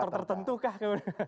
faktor tertentu kah kemudian